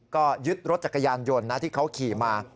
ก็ยึดรถจักรยานยนต์นะที่เขาขี่มา